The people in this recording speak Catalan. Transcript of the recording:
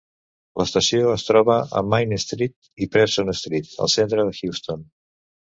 L'estació es troba a Main Street i Preston Street al centre de Houston.